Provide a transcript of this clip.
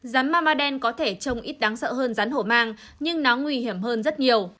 rắn mamba đen có thể trông ít đáng sợ hơn rắn hổ mang nhưng nó nguy hiểm hơn rất nhiều